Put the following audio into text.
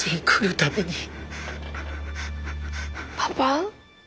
パパ